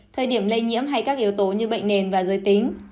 thời điểm lây nhiễm hay các yếu tố như bệnh nền và giới tính